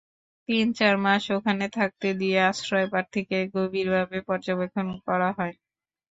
তিন চার মাস ওখানে থাকতে দিয়ে আশ্রয়প্রার্থীকে গভীরভাবে পর্যবেক্ষণ করা হয়।